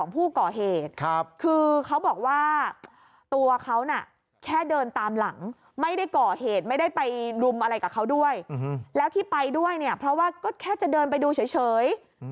เพราะว่าก็แค่จะเดินไปดูเฉย